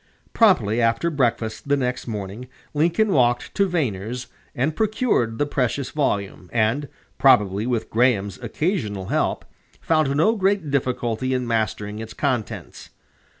Promptly after breakfast the next morning Lincoln walked to Vaner's and procured the precious volume, and, probably with Graham's occasional help, found no great difficulty in mastering its contents.